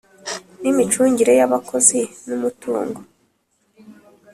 N imicungire y abakozi n umutungo